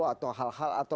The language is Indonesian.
atau hal hal atau